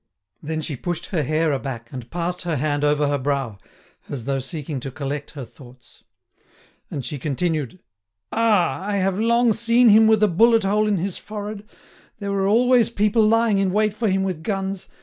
Then she pushed her hair aback, and passed her hand over her brow, as though seeking to collect her thoughts. And she continued: "Ah! I have long seen him with a bullet hole in his forehead. There were always people lying in wait for him with guns.